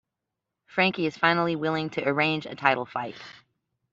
Frankie is finally willing to arrange a title fight.